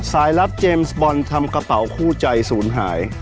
ลับเจมส์บอลทำกระเป๋าคู่ใจศูนย์หาย